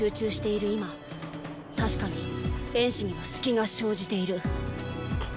今たしかに衍氏には隙が生じている。